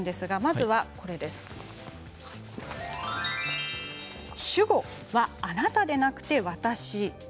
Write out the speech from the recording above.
１つ目は主語はあなたでなくて私。